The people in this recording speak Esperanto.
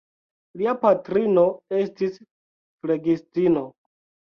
Lia patrino estis flegistino.